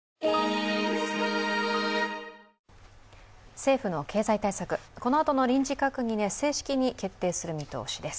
政府の経済対策、このあとの臨時閣議で正式に決定する見通しです。